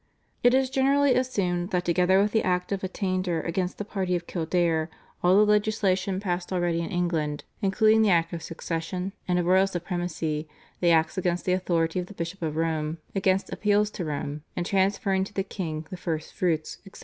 It is generally assumed that together with the Act of Attainder against the party of Kildare all the legislation passed already in England, including the Act of Succession and of Royal Supremacy, the Acts against the authority of the Bishop of Rome, against appeals to Rome, and transferring to the king the First Fruits, etc.